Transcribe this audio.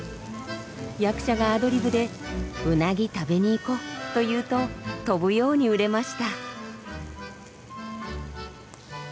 役者がアドリブで「うなぎ食べに行こ」と言うと飛ぶように売れました。